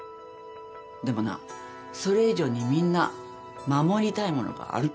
でもなそれ以上にみんな守りたいものがある。